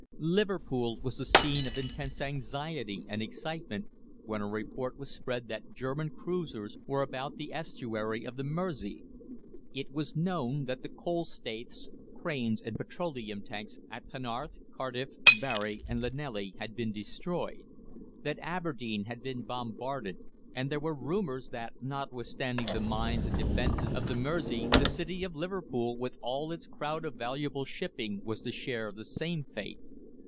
Liverpool was the scene of intense anxiety and excitement, when a report was spread that German cruisers were about the estuary of the Mersey. It was known that the coal staithes, cranes, and petroleum tanks at Penarth, Cardiff, Barry, and Llanelly had been destroyed; that Aberdeen had been bombarded; and there were rumours that, notwithstanding the mines and defences of the Mersey, the city of Liverpool, with all its crowd of valuable shipping, was to share the same fate.